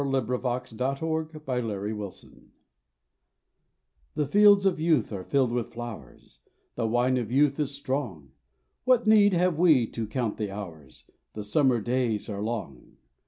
The Road to Old Man's Town The fields of youth are filled with flowers, The wine of youth is strong: What need have we to count the hours? The summer days are long.